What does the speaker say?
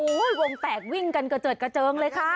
โอ้โหวงแตกวิ่งกันเกือบเกือบเลยค่ะ